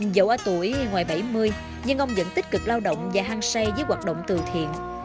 dẫu ở tuổi ngoài bảy mươi nhưng ông vẫn tích cực lao động và hăng say với hoạt động từ thiện